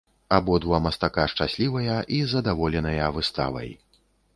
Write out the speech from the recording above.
Абодва мастака шчаслівыя і задаволеныя выставай!